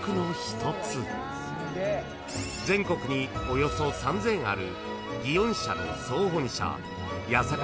［全国におよそ３，０００ある］